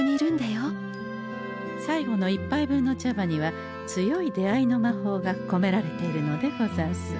最後の１杯分の茶葉にはつよい出会いの魔法がこめられているのでござんす。